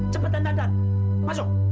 cepetan dandan masuk